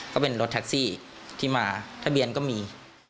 ก็เป็นรถแท็กซี่ที่มาทะเบียนก็มี